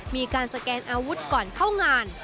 มีการสแกนอาวุธก่อนเข้างาน